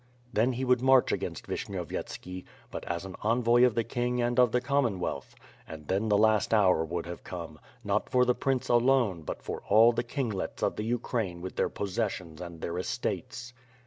Then he would march against Vishnyovyetski, but as an envoy of the King and of the Commonwealth; and then the last hour would have come, not for the prince alone but for all the kinglets of the Ukraine with their possessions and their estates.